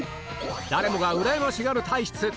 誰もがうらやましがる体質